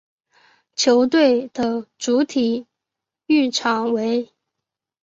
球队的主体育场为。